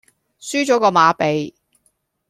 輸左個馬鼻